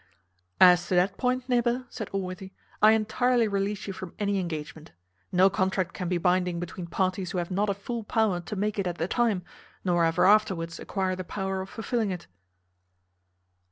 "As to that point, neighbour," said Allworthy, "I entirely release you from any engagement. No contract can be binding between parties who have not a full power to make it at the time, nor ever afterwards acquire the power of fulfilling it."